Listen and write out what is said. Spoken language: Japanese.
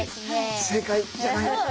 正解じゃないです。